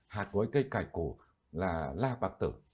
hạt của cây cải cổ là la bạc tử